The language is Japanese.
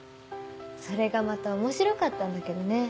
それがまた面白かったんだけどね。